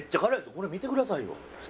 これ見てくださいよ。